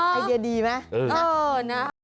ไอเดียดีไหม